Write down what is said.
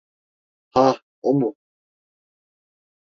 Ha, o mu?